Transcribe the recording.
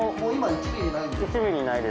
１ミリないです。